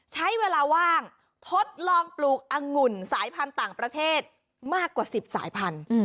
ใช้เวลาว่างทดลองปลูกอังุ่นสายพันธุ์ต่างประเทศมากกว่า๑๐สายพันธุ์